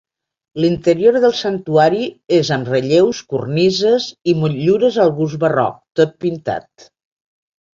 L'interior del santuari és amb relleus, cornises i motllures al gust barroc, tot pintat.